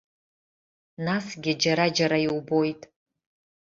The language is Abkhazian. Насгьы џьара-џьара иубоит.